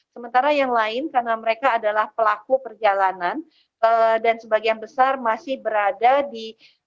sementara yang lain karena mereka adalah pelaku perjalanan dan sebagian besar masih berada di